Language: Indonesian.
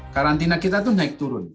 karantina kita itu naik turun